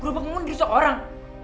graupakmu nikotin orang